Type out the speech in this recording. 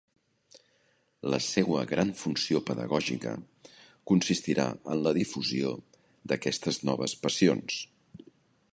La seua gran funció pedagògica consistirà en la difusió d'aquestes noves passions.